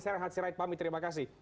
saya rahatsirait pamit terima kasih